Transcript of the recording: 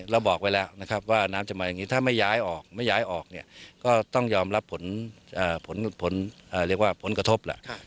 เราบอกไว้แล้วแล้วว่าน้ำจะมาอย่างนี้ถ้าไม่ย้ายออกไม่ย้ายออกก็ต้องรับผลกระทบ